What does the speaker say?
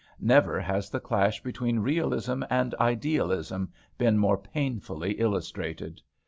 Never has the clash between realism and idealism been more painfully illustrated!